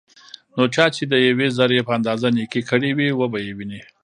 نو چا چې دیوې ذرې په اندازه نيکي کړي وي، وبه يې ويني